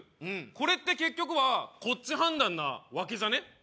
これって結局はこっち判断なわけじゃね？